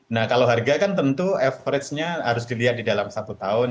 nah kalau harga kan tentu average nya harus dilihat di dalam satu tahun